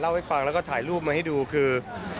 ให้ฟังแล้วก็ถ่ายรูปมาให้ดูคือ